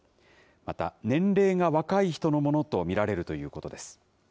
また年齢が若い人のものと見られるということです。